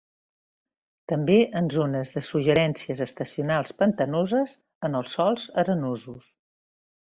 També en zones de surgències estacionals pantanoses en els sòls arenosos.